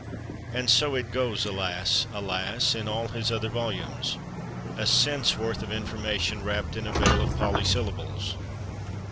And so it goes, alas, alas, in all his other volumes—a cent's worth of information wrapped in a bale of polysyllables.